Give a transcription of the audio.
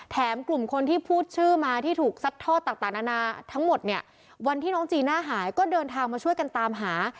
กลุ่มคนที่พูดชื่อมาที่ถูกซัดทอดต่างนานาทั้งหมดเนี่ยวันที่น้องจีน่าหายก็เดินทางมาช่วยกันตามหา